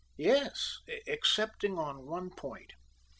"Yes, excepting on one point.